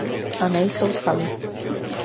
A nejsou sami.